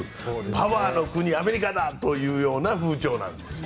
パワーの国アメリカだという風潮なんです。